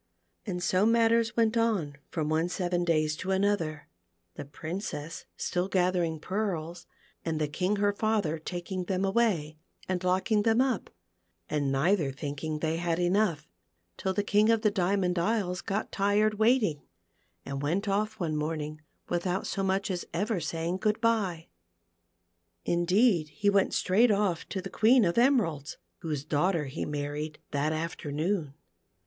And so matters went on from one seven days to another, the Princess still gathering pearls, and the King her father taking them away, and locking them up, and neither thinking they had enough, till the King of the Diamond Isles got tired waiting, and went off one morning without so much as ever saj ing good bye. Indeed he went straight off to the Queea of Emeralds, whose daughter he married that afternoon.